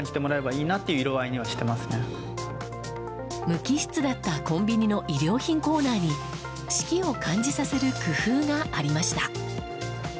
無機質だったコンビニの衣料品コーナーに四季を感じさせる工夫がありました。